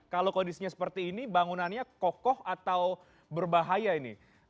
kalau kondisinya seperti ini bangunannya kokoh atau berbahaya ini